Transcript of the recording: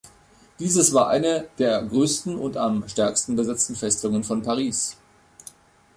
Dieses war eine der größten und am stärksten besetzten Festungen von Paris.